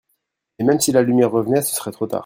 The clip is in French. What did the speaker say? et même si la lumière revenait, ce serait trop tard.